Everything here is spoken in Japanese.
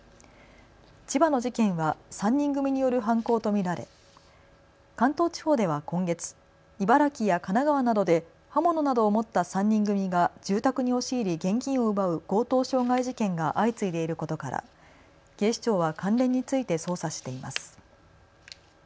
千葉の事件は３人組による犯行と見られ関東地方では今月、茨城や神奈川などで刃物などを持った３人組が住宅に押し入り現金を奪う強盗傷害事件が相次いでいることから警視庁は関連について捜査しています。